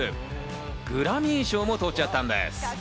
グラミー賞もとっちゃったんです！